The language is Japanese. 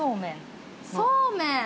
そうめん！